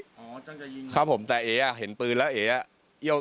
อ๋อตั้งใจจะยิงหัวครับผมแต่เอ๋เห็นปืนแล้ว